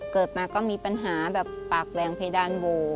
เกิดมาก็มีปัญหาแบบปากแรงเพดานโว